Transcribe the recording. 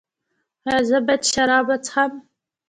ایا زه باید شراب وڅښم؟